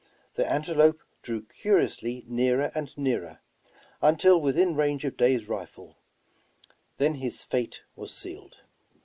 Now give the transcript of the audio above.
The antelope drew curiously nearer and nearer, until within range of Day's rifle; then his fate was sealed.